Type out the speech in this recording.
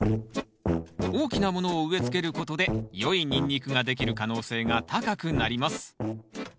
大きなものを植えつけることでよいニンニクができる可能性が高くなります。